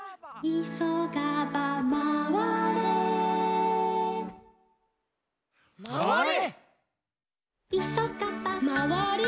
「いそがば」「まわれ？」